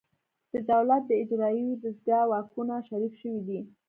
د دولت د اجرایوي دستگاه واکونه شریک شوي دي